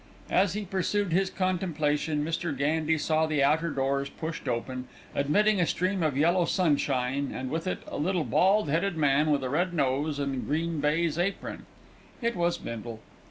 As he pursued his contemplation Mr. Gandy saw the outer doors pushed open, admitting a stream of yellow sunshine and with it a little bald headed man with a red nose and green baize apron. It was Bindle.